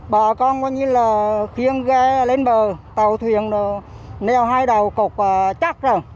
bà con có như là khiêng gai lên bờ tàu thuyền đều nèo hai đầu cục chắc rồi